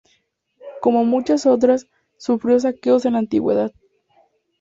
Como muchas otras, sufrió saqueos en la antigüedad.